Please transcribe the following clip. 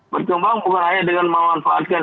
berkembang bukan hanya dengan memanfaatkan